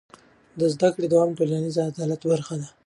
د زده کړې دوام د ټولنیز عدالت برخه ده.